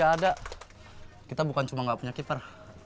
jahe gak ada kita bukan cuma gak punya keeper